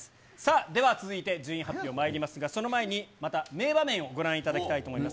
さあ、では続いて、順位発表まいりますが、その前に、また名場面をご覧いただきたいと思います。